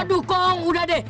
aduh kong udah deh